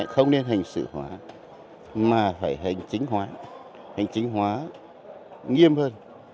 không nên hình sự hóa mà phải hình chính hóa hình chính hóa nghiêm hơn